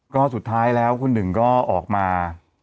ก็สุดท้ายแล้วคุณหนึ่งก็ออกมา